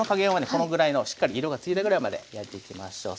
このぐらいのしっかり色がついたぐらいまで焼いていきましょう。